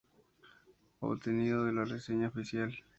Obtenido de la reseña oficial.